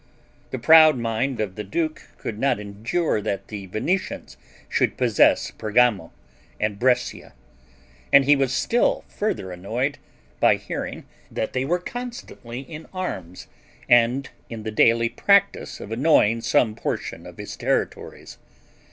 The proud mind of the duke could not endure that the Venetians should possess Bergamo and Brescia, and he was still further annoyed, by hearing, that they were constantly in arms, and in the daily practice of annoying some portion of his territories.